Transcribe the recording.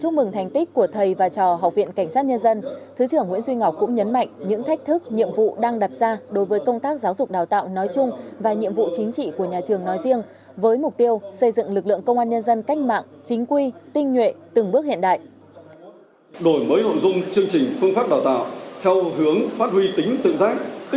trong năm học này học viện cảnh sát nhân dân được nhận cơ thi đua của chính phủ đặc biệt tổng kết bốn mươi năm năm đào tạo trình độ đại học học viện vinh dự được chính phủ đặc biệt tổng kết bốn mươi năm năm đào tạo trình độ đại học trường công an nhân dân được nhận cơ thi đua của chính phủ